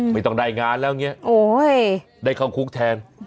ไม่ต้องได้งานแล้วไงได้เข้าครุกแทน